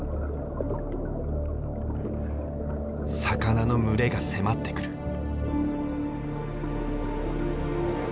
魚の群れが迫ってくる。